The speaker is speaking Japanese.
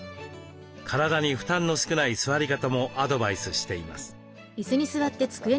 体に負担の少ない座り方もアドバイスしています。